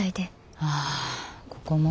ああここもか。